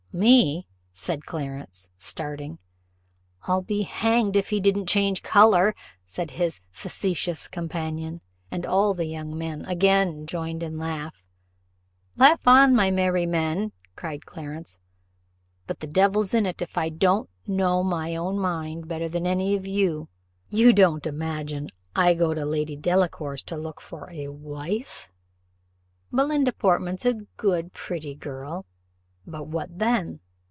"Me!" said Clarence, starting. "I'll be hanged if he didn't change colour," said his facetious companion; and all the young men again joined in a laugh. "Laugh on, my merry men all!" cried Clarence; "but the devil's in it if I don't know my own mind better than any of you. You don't imagine I go to Lady Delacour's to look for a wife? Belinda Portman's a good pretty girl, but what then?